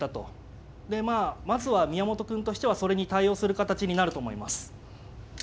でまあまずは宮本くんとしてはそれに対応する形になると思います。